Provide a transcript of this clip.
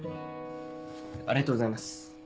ありがとうございます。